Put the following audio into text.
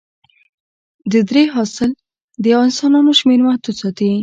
د درې حاصل د انسانانو شمېر محدود ساتي.